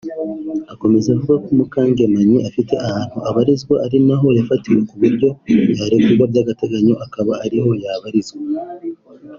Akomeza avuga ko Mukangemanyi afite ahantu abarizwa ari naho yafatiwe ku buryo yarekurwa by’agateganyo akaba ariho yabarizwa